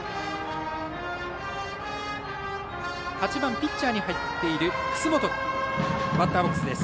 ８番ピッチャーに入っている楠本、バッターボックスです。